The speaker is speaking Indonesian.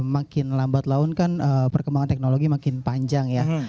makin lambat laun kan perkembangan teknologi makin panjang ya